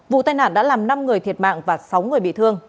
vụ tai nạn đã làm năm người thiệt mạng và sáu người bị thương